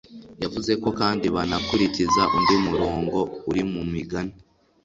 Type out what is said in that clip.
yavuze ko kandi banakurikiza undi murongo uri mu migani